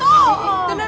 tuh tuh tuh